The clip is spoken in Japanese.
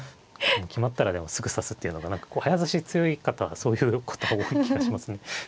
決まったらすぐ指すっていうのが早指し強い方はそういう方多い気がしますね。